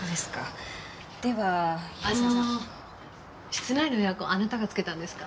室内のエアコンあなたがつけたんですか？